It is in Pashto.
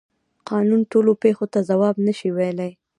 قانون ټولو پیښو ته ځواب نشي ویلی.